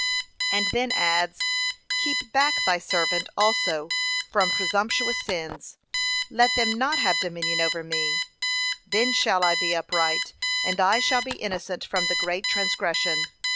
And then adds, 'Keep back thy servant also from presumptuous sins; let them not have dominion over me: then shall I be upright, and I shall be innocent from the great transgression.'